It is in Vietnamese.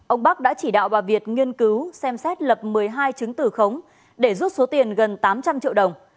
ông bắc đã chỉ đạo bà việt nghiên cứu xem xét lập một mươi hai chứng từ khống để rút số tiền gần tám trăm linh triệu đồng